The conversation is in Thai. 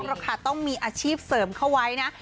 เพราะเราค่ะต้องมีอาชีพเสริมเข้าไว้นะ